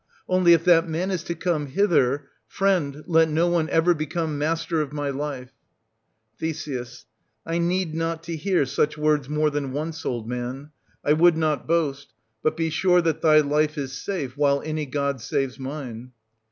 Only, if that man is to come hither, — friend, let no one ever become master of my life ! Th. I need not to hear such words more than once, old man: — I would not boast; but be sure that thy life 1210 is safe, while any god saves mine.